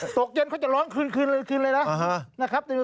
ตกเย็นเขาจะล้องคืนคูณเลยนะนะครับ